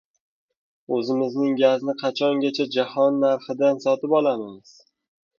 O‘zimizning gazni qachongacha jahon narxida sotib olamiz?